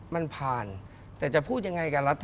มันผ่าน